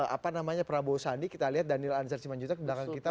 apa namanya prabowo sandi kita lihat daniel anzar simanjuta ke belakang kita